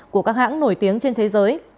của các hãng nổi tiếng trên thế giới